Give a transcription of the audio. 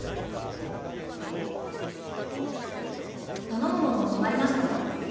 頼むもの決まりました？